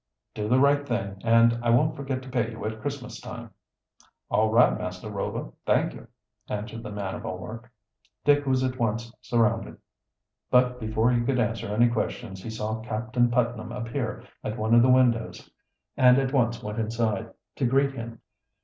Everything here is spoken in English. "Do the right thing, and I won't forget to pay you at Christmas time." "All right Master Rover; thank you," answered the man of all work. Dick was at once surrounded, but before he could answer any questions he saw Captain Putnam appear at one of the windows and at once went inside to greet him.